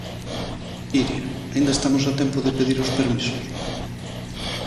Iria, aínda estamos a tempo de pedir os permisos?